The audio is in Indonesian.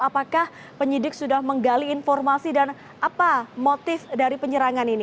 apakah penyidik sudah menggali informasi dan apa motif dari penyerangan ini